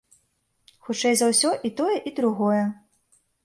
Хутчэй за ўсё, і тое і другое.